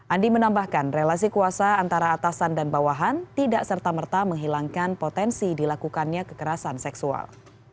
andi menambahkan relasi kuasa antara atasan dan bawahan tidak serta merta menghilangkan potensi dilakukannya kekerasan seksual